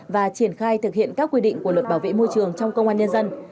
và triển khai thực hiện các quy định của luật bảo vệ môi trường trong công an nhân dân